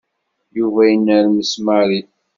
Yuba inermes Mary.